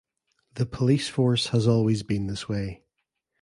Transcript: The police force has always been this way.